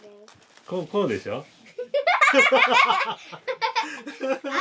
こうでしょ？頭！